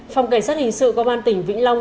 phòng cảnh sát hình sự công an tỉnh vĩnh long